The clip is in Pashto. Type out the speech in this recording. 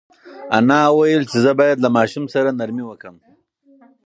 انا وویل چې زه باید له ماشوم سره نرمي وکړم.